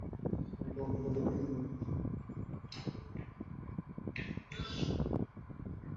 আমি তোমার বন্ধুকে মেনে নেবো।